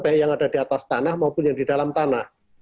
baik yang ada di atas tanah maupun yang di dalam tanah